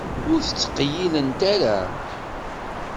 Ur ttqeyyilent ara.